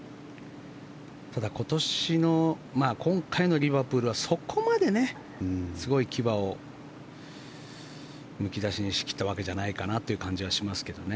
ただ、今回のリバプールはそこまですごい牙をむき出しにしてきたわけじゃないかなという感じはしますけどね。